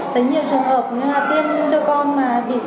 tới nhiều trường hợp tiêm cho con mà bị